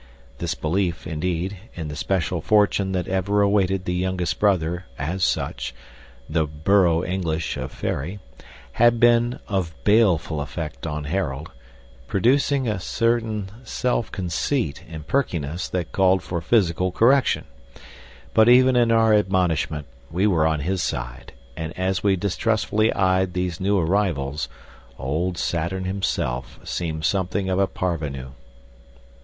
This belief, indeed, in the special fortune that ever awaited the youngest brother, as such, the "Borough English" of Faery, had been of baleful effect on Harold, producing a certain self conceit and perkiness that called for physical correction. But even in our admonishment we were on his side; and as we distrustfully eyed these new arrivals, old Saturn himself seemed something of a parvenu.